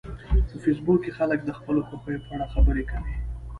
په فېسبوک کې خلک د خپلو خوښیو په اړه خبرې کوي